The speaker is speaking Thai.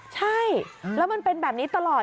ใช่แล้วมันเป็นแบบนี้ตลอด